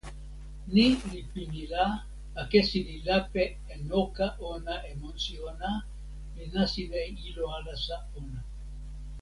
ni li pini la, akesi li lape e noka ona e monsi ona, li nasin e ilo alasa ona.